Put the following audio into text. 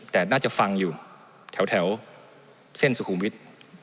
แต่น่าจะฟังอยู่แถวเส้นสุขุมวิทย์